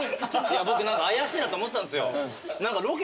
僕何か怪しいなと思ってたんですよ。